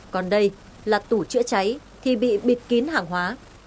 còn đây là tủ chữa cháy thì bị bịt kín hàng hóa